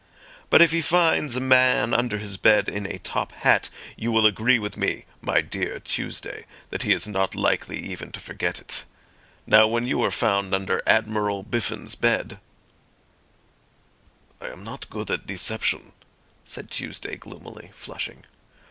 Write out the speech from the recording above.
But if he finds a man under his bed in a top hat, you will agree with me, my dear Tuesday, that he is not likely even to forget it. Now when you were found under Admiral Biffin's bed—" "I am not good at deception," said Tuesday gloomily, flushing.